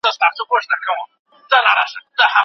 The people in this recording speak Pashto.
د مطالعې د کلتور د پیاوړتیا لپاره هڅې باید دوام وکړي.